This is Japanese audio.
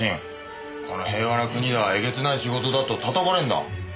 この平和な国ではえげつない仕事だと叩かれるんだ。